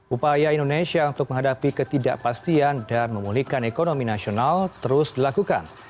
upaya indonesia untuk menghadapi ketidakpastian dan memulihkan ekonomi nasional terus dilakukan